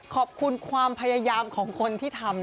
ขอบคุณความพยายามของคนที่ทำ